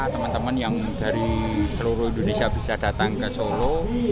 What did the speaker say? teman teman yang dari seluruh indonesia bisa datang ke solo